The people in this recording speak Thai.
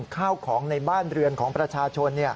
ข้าวของในบ้านเรือนของประชาชน